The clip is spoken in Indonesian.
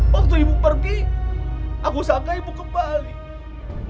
waktu ibu pergi aku sangka ibu kembali